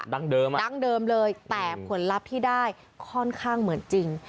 อ่ะดั้งเดิมเลยแต่ผลลัพธ์ที่ได้ค่อนข้างเหมือนจริง